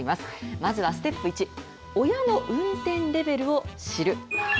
まずはステップ１親の運転レベルを知る。